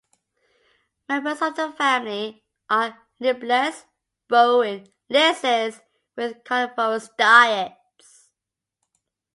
Members of the family are limbless, burrowing, lizards with carnivorous diets.